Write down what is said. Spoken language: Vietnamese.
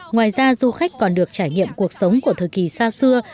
ngoài ra du khách còn được trải nghiệm cuộc sống của thời kỳ xa xưa